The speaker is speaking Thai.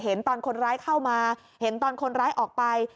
เห็นตอนคนร้ายเข้ามาเห็นตอนคนร้ายออกไป